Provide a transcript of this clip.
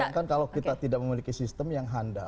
bayangkan kalau kita tidak memiliki sistem yang handal